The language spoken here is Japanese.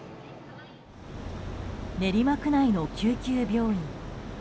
練馬区内の救急病院。